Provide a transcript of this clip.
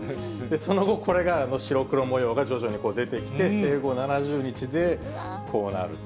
その後、これが白黒模様が徐々に出てきて、生後７０日でこうなると。